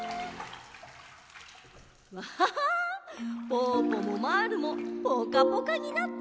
ぽぅぽもまぁるもぽかぽかになった。